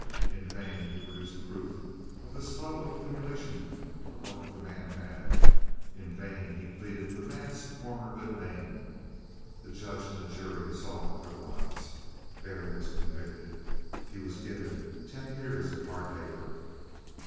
In vain he produced proof of the slow accumulation of what the man had. In vain he pleaded the man's former good name. The judge and the jury saw otherwise. Berry was convicted. He was given ten years at hard labour.